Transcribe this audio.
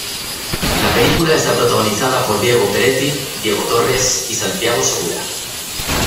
La película está protagonizada por Diego Peretti, Diego Torres y Santiago Segura.